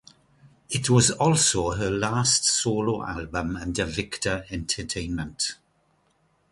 It was also her last solo album under Victor Entertainment.